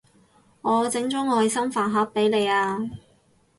我整咗愛心飯盒畀你啊